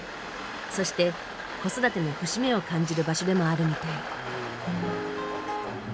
そして子育ての節目を感じる場所でもあるみたい。